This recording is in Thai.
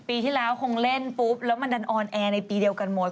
ปีที่แล้วคงเล่นปุ๊บแล้วมันดันออนแอร์ในปีเดียวกันหมด